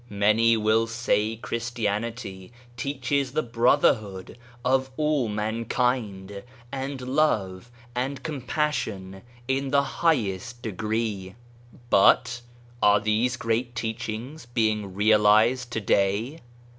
Many will say Christianity teaches the brotherhood of all mankind, and love and com passion in the highest degree. But, are these great teachings being realized to day